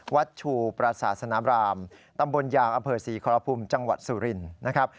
วัดชูปราศาสนามรามตำบลยางอเผิศีคอลภูมิจังหวัดสุรินนะครับ